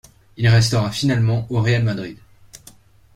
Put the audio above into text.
Il restera finalement au Real Madrid.